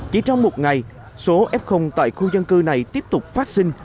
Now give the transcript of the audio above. chỉ trong một ngày số f tại khu dân cư này tiếp tục phát sinh